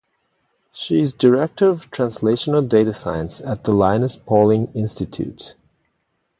She is Director of Translational Data Science at the Linus Pauling Institute.